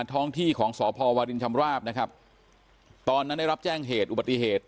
ท้องที่ของสพวรินชำราบนะครับตอนนั้นได้รับแจ้งเหตุอุบัติเหตุ